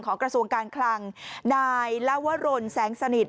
กระทรวงการคลังนายลวรนแสงสนิท